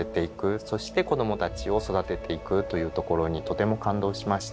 そして子どもたちを育てていくというところにとても感動しました。